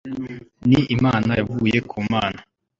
ni imana yavuye ku mana